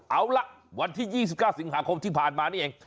เอาล่ะวันที่๒๙สิงหาคมที่ผ่านมานี่เอง